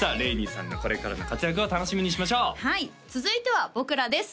さんのこれからの活躍を楽しみにしましょうはい続いてはｂｏｋｕｌａ．です